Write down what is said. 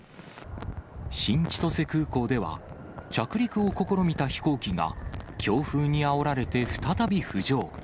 新千歳空港では、着陸を試みた飛行機が、強風にあおられて再び浮上。